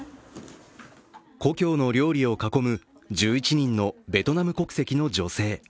故郷の料理を囲む１１人のベトナム国籍の女性。